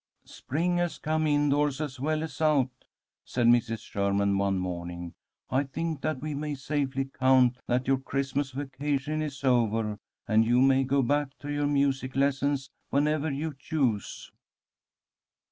"Spring has come indoors as well as out," said Mrs. Sherman one morning. "I think that we may safely count that your Christmas vacation is over, and you may go back to your music lessons whenever you choose."